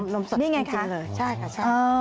นมสดจริงเลยใช่ค่ะ